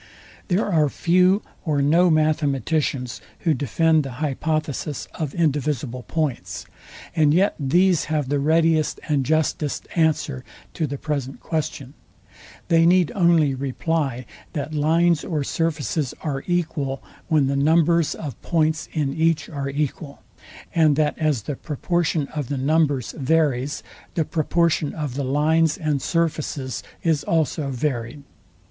There are few or no mathematicians, who defend the hypothesis of indivisible points; and yet these have the readiest and justest answer to the present question. They need only reply, that lines or surfaces are equal, when the numbers of points in each are equal; and that as the proportion of the numbers varies, the proportion of the lines and surfaces is also varyed.